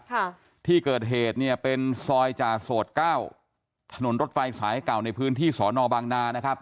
ค่ะที่เกิดเหตุเนี่ยเป็นซอยจ่าโสดเก้าถนนรถไฟสายเก่าในพื้นที่สอนอบางนานะครับ